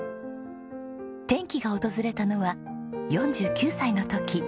転機が訪れたのは４９歳の時。